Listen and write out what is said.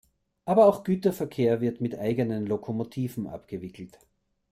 Aber auch Güterverkehr wird mit eigenen Lokomotiven abgewickelt.